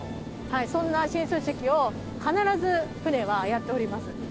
そんな進水式を必ず船はやっております。